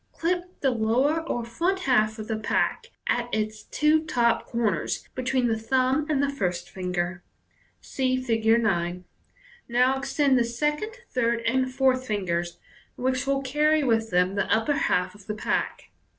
Clip the lower or front half of the pack at its two top corners between the thumb and the first finger. (See Fig. 9.) Now extend the second, third, and fourth fingers, which will carry with them the upper half of the pack.